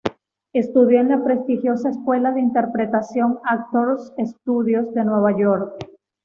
Estudió en la prestigiosa escuela de interpretación Actor's Studio de Nueva York.